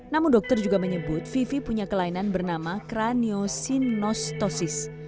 namun dokter juga menyebut vivi punya kelainan bernama kraniosinostosis